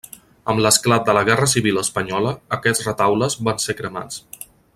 Amb l'esclat de la guerra civil espanyola aquests retaules van ser cremats.